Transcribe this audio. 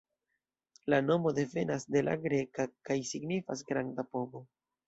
La nomo devenas de la greka kaj signifas "granda pomo".